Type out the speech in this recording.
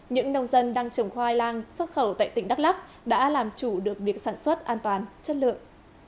những nông dân đang trồng khoai lang xuất khẩu tại tỉnh đắk lắc đã làm chủ được việc sản xuất an toàn chất lượng